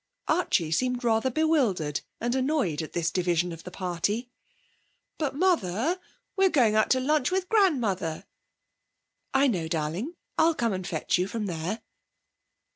Archie seemed rather bewildered and annoyed at this division of the party. 'But, Mother, we're going out to lunch with grandmother.' 'I know, darling. I'll come and fetch you from there.'